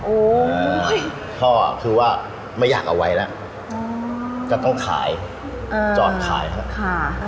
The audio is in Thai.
โอ้ยพ่ออะคือว่าไม่อยากเอาไว้แล้วจะต้องขายจอดขายครับ